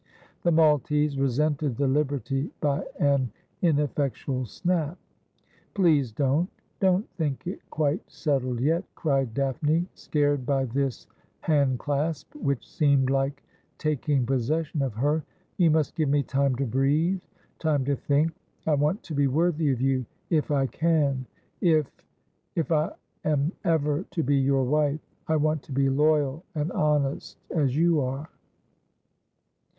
The Maltese resented the liberty by an ineffectual snap. ' Please, don't — don't think it quite settled yet,' cried Daphne, scared by this hand clasp, which seemed like taking possession of her. ' You must give me time to breathe — time to think. I want to be worthy of you, if I can — if — if — I am ever to be your wife. I want to be loyal — and honest — as you are.'